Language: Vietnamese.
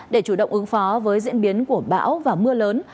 để chủ động ứng phó với diễn biến của bão và mưa lớn